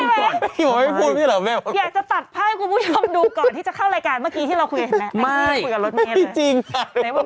ลูกถูกคุยกับรถเมทเลย